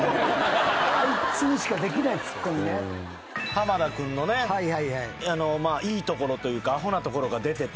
濱田君のねいいところというかアホなところが出てて。